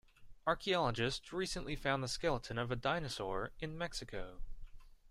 Archaeologists recently found the skeleton of a dinosaur in Mexico.